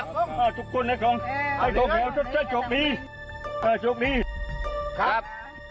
ป้าป้าชุกทุกคนให้มีชุดจุดชบนี้ชุดนี้ครับ